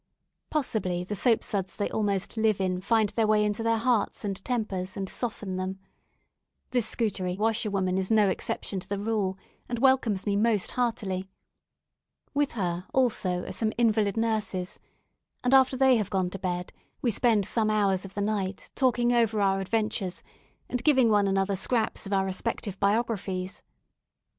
Possibly the soap suds they almost live in find their way into their hearts and tempers, and soften them. This Scutari washerwoman is no exception to the rule, and welcomes me most heartily. With her, also, are some invalid nurses; and after they have gone to bed, we spend some hours of the night talking over our adventures, and giving one another scraps of our respective biographies.